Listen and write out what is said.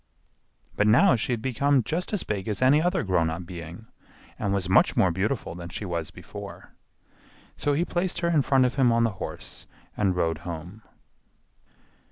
But now she had become just as big as any other grown up being and was much more beautiful than she was before. So he placed her in front of him on the horse and rode home.